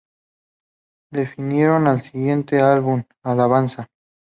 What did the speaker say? Definieron su siguiente álbum 'Alabanza.